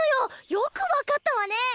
よく分かったわねえ。